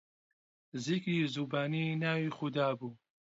زیکری زوبانی ناوی خودابوو